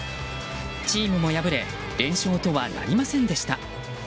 チームも敗れ連勝とはなりませんでした。